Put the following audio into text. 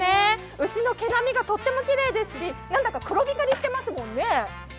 牛の毛並みがとってもきれいですし、なんだか黒光りしてますもんね。